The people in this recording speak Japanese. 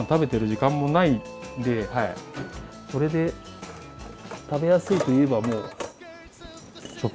それで食べやすいといえばもうなるほど。